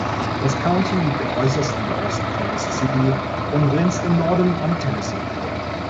Das County liegt im äußersten Nordosten von Mississippi und grenzt im Norden an Tennessee.